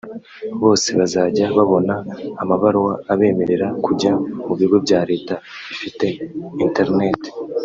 bose bazajya babona amabaruwa abemerera kujya mu bigo bya Leta bifite “internat”